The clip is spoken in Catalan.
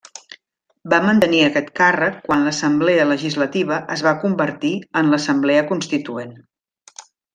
Va mantenir aquest càrrec quan l'Assemblea Legislativa es va convertir en l'Assemblea Constituent.